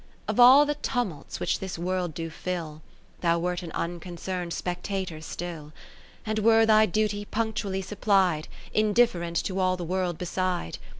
Of all the tumults which this World do fill, Thou wert an unconcern'd spectator still : 20 And, were thy duty punctually supplied. Indifferent to all the World beside.